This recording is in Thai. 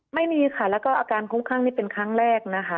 ไม่มีค่ะแล้วก็อาการคุ้มข้างนี่เป็นครั้งแรกนะคะ